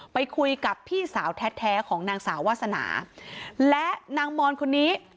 ไปคุยกับพี่สาวแท้ของนางสาววาสนาและนางมอนคนนี้